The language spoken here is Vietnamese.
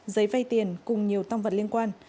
giấy vây tiền cùng nhiều tông vật liên quan